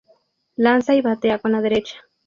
Lanza y batea con la derecha.